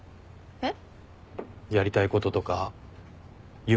えっ？